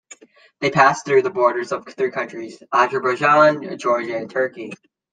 They pass through the borders of three countries: Azerbaijan, Georgia and Turkey.